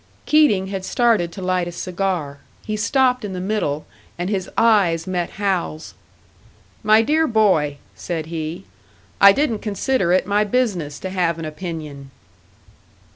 Keating had started to light a cigar. He stopped in the middle, and his eyes met Hal's. "My dear boy," said he, "I didn't consider it my business to have an opinion."